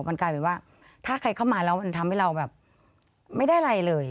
มันกลายเป็นว่าถ้าใครเข้ามาแล้วมันทำให้เราแบบไม่ได้อะไรเลย